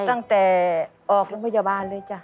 ตั้งแต่เดินพยาบาทเลย